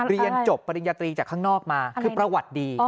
เรียนจบปริญญาตรีจากข้างนอกมาคือประวัติดี